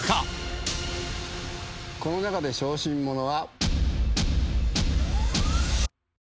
この中で小心者は。